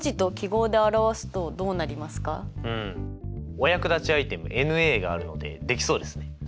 お役立ちアイテムｎがあるのでできそうですね。